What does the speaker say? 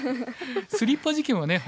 スリッパ事件はね